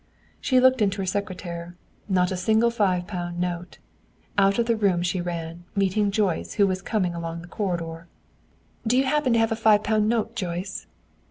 She looked in her secretaire. Not a single five pound note. Out of the room she ran, meeting Joyce, who was coming along the corridor. "Do you happen to have a five pound note, Joyce?"